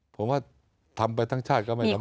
ผมว่าทำไปทั้งชาติก็ไม่ทำ